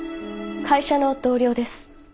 会社の同僚です。